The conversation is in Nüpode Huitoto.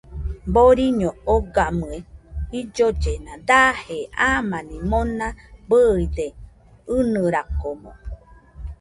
Boriño ogamɨe jillollena daje amani mona bɨide, ɨnɨrakomo